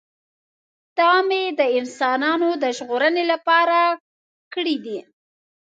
دا مې د انسانانو د ژغورنې لپاره کړی دی.